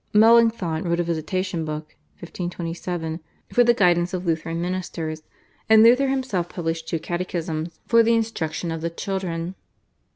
Melanchthon wrote a Visitation Book (1527) for the guidance of Lutheran ministers, and Luther himself published two catechisms for the instruction of the children.